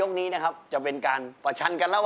พี่จ๊ะสะบัดแบบไหนครับ